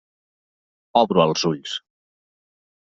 Obro els ulls.